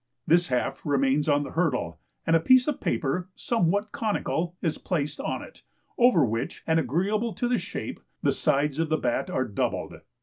This half remains on the hurdle, and a piece of paper, somewhat conical, is placed on it, over which, and agreeable to the shape, the sides of the bat are doubled.